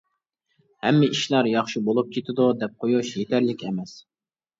«ھەممە ئىشلار ياخشى بولۇپ كېتىدۇ» دەپ قويۇش يېتەرلىك ئەمەس.